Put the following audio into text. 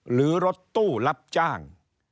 หรือรถตู้รับจ้าง